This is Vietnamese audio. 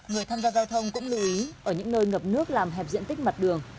người tham gia giao thông cũng lưu ý ở những nơi ngập nước làm hẹp diện tích mặt đường